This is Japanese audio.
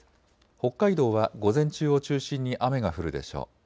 北海道は午前中を中心に雨が降るでしょう。